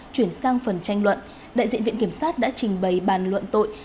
chuyển sang phần tranh luận đại diện viện kiểm sát đã trình bày bàn luận tội